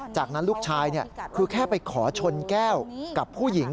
จากนั้นลูกชายคือแค่ไปขอชนแก้วกับผู้หญิง